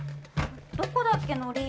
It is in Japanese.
どこだっけのり。